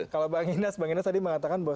kalau bang inas bang ines tadi mengatakan bahwa